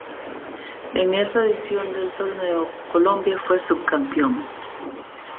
En esa edición del torneo, Colombia fue subcampeón.